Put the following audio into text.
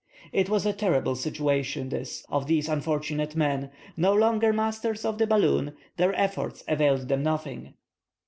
It was a terrible situation, this, of these unfortunate men. No longer masters of the balloon, their efforts availed them nothing.